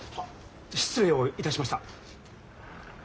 失礼をいたしました。